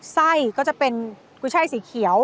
ไส้ก็จะเป็นกุช่ายสีเขียว